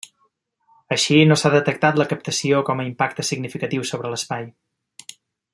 Així, no s'ha detectat la captació com a impacte significatiu sobre l'espai.